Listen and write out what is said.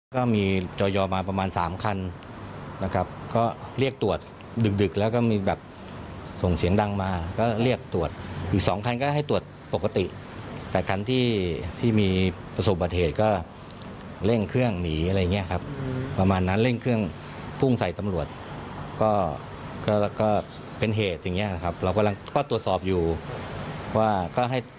ก็มีจอยอมาประมาณสามคันนะครับก็เรียกตรวจดึกดึกแล้วก็มีแบบส่งเสียงดังมาก็เรียกตรวจอีกสองคันก็ให้ตรวจปกติแต่คันที่ที่มีประสบบัติเหตุก็เร่งเครื่องหนีอะไรอย่างเงี้ยครับประมาณนั้นเร่งเครื่องพุ่งใส่ตำรวจก็ก็เป็นเหตุอย่างเงี้ยครับเรากำลังก็ตรวจสอบอยู่ว่าก็ให้